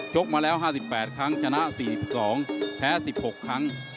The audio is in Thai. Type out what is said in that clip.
กมาแล้ว๕๘ครั้งชนะ๔๒แพ้๑๖ครั้ง